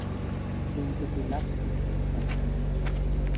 Bentopelágico tropical.